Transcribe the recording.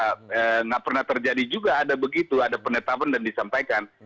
tidak pernah terjadi juga ada begitu ada penetapan dan disampaikan